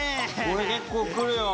これ結構くるよ